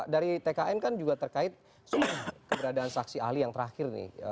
dari tkn kan juga terkait keberadaan saksi ahli yang terakhir nih